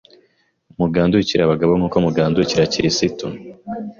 Mugandukire abagabo nk’uko mugandukira Kirisitu